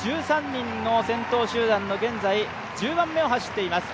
１３人の先頭集団の現在１０番目を走っています。